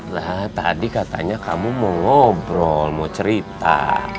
nah tadi katanya kamu mau ngobrol mau cerita